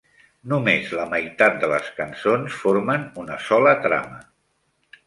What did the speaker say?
Només la meitat de les cançons formen una sola trama.